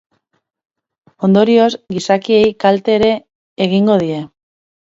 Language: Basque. Ondorioz, gizakiei ere kalte egingo die.